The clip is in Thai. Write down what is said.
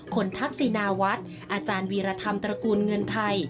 ทักษินาวัดอาจารย์วีรธรรมตระกูลเงินไทย